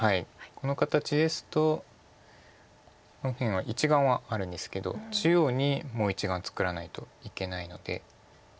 この形ですと右辺は１眼はあるんですけど中央にもう１眼作らないといけないので。